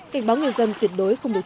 cảnh báo người dân tuyệt đối không đủ chủ